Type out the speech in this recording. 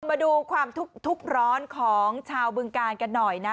มาดูความทุกข์ร้อนของชาวบึงกาลกันหน่อยนะ